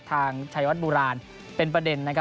ทางชัยวัดโบราณเป็นประเด็นนะครับ